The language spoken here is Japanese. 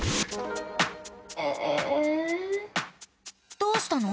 どうしたの？